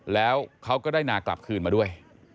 แล้วเขาก็ได้นากลับคืนมาด้วย